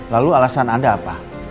lalu alasan anda apa